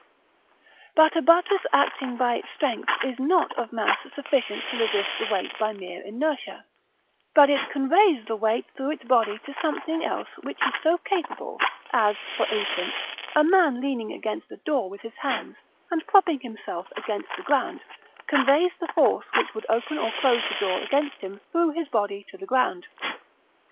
But a buttress acting by its strength is not of mass sufficient to resist the weight by mere inertia; but it conveys the weight through its body to something else which is so capable; as, for instance, a man leaning against a door with his hands, and propping himself against the ground, conveys the force which would open or close the door against him through his body to the ground.